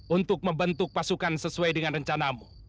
untuk membentuk pasukan sesuai dengan rencanamu